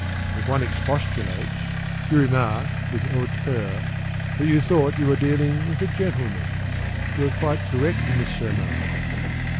If one expostulates, You remark With hauteur That you thought you were dealing with a gentleman. You are quite correct in this surmise.